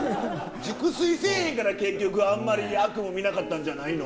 熟睡せぇへんから結局あんまり悪夢見なかったんじゃないの？